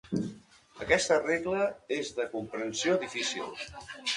Aquesta regla és de comprensió difícil.